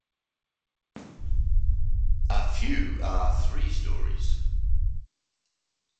A few are three stories.